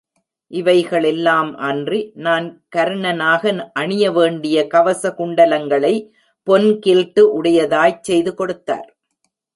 இவைகளெல்லாம் அன்றி, நான் கர்ணனாக அணிய வேண்டிய கவச குண்டலங்களை, பொன் கில்டு உடையதாய்ச் செய்து கொடுத்தார்.